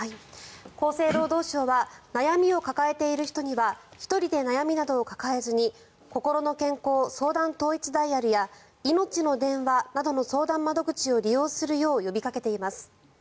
厚生労働省は悩みを抱えている人には１人で悩みなどを抱えずにこころの健康相談統一ダイヤルやいのちの電話などの相談窓口を利用するよう呼びかけています。